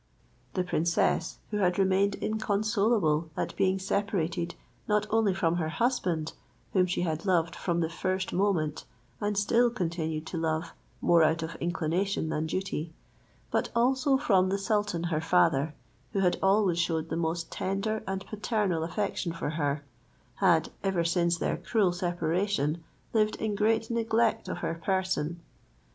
The princess, who had remained inconsolable at being separated not only from her husband, whom she had loved from the first moment, and still continued to love more out of inclination than duty, but also from the sultan her father, who had always showed the most tender and paternal affection for her, had, ever since their cruel separation, lived in great neglect of her person.